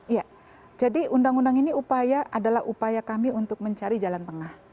iya jadi undang undang ini upaya adalah upaya kami untuk mencari jalan tengah